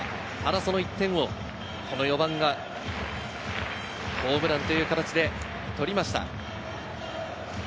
その１点をこの４番がホームランという形で取りました。